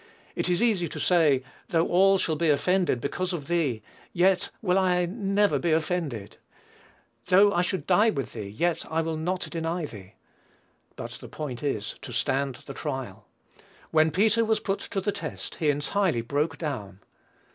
It is easy to say, "though all shall be offended because of thee, yet will I never be offended ... though I should die with thee, yet will I not deny thee;" but the point is to stand the trial. When Peter was put to the test, he entirely broke down.